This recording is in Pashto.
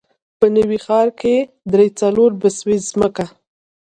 په نوي ښار کې درې، څلور بسوې ځمکه.